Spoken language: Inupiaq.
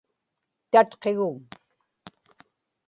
tatqiguŋ